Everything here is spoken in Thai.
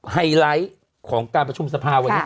ไฮไลท์ของการประชุมสภาวันนี้